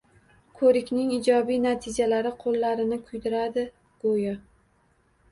Ko`rikning ijobiy natijalari qo`llarini kuydiradi go`yo